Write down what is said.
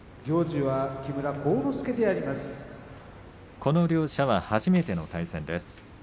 この両者は初めての対戦です。